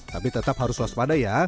tapi tetap harus waspada ya